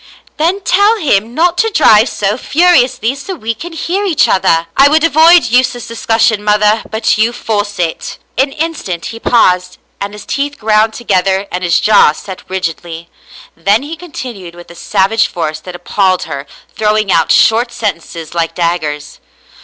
" Then tell him not to drive so furiously, so we can hear each other." *' I would avoid useless discussion, mother, but you force it." An instant he paused, and his teeth ground together and his jaw set rigidly, then he continued with a savage force that appalled her, throwing out short sen tences like daggers.